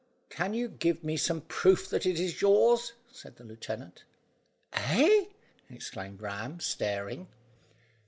"Can you give me some proof that it is yours?" said the lieutenant. "Eh!" exclaimed Ram, staring.